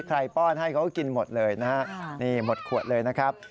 ป้อนให้เขาก็กินหมดเลยนะฮะนี่หมดขวดเลยนะครับ